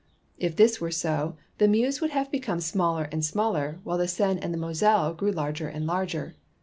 If this were so, the Meuse would have become smaller and smaller, while the Seine and Moselle grew larger and larger.